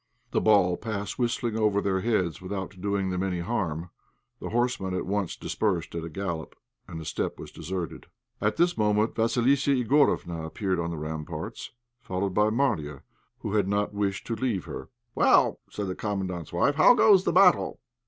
The ball passed whistling over their heads without doing them any harm. The horsemen at once dispersed at a gallop, and the steppe was deserted. At this moment Vassilissa Igorofna appeared on the ramparts, followed by Marya, who had not wished to leave her. "Well," said the Commandant's wife, "how goes the battle?